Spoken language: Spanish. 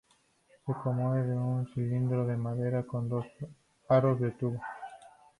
Se compone de un cilindro de madera con dos aros de tubo.